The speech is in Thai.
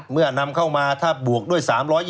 เมื่อนำเข้ามาถ้าบวกด้วย๓๒๘